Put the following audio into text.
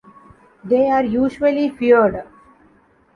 They are usually feared.